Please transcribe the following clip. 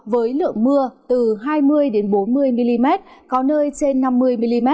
với lượng mưa từ hai mươi bốn mươi mm có nơi trên năm mươi mm